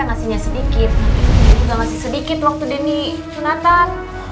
nanti sudah masih sedikit waktu denny ke natal